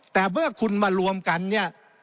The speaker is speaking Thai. แต่เมื่อคุณมารวมกันเนี่ย